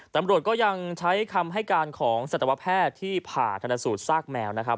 ตำรวจก็ยังใช้คำให้การของสัตวแพทย์ที่ผ่าธนสูตรซากแมวนะครับ